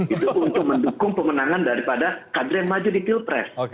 itu untuk mendukung pemenangan daripada kader yang maju di pilpres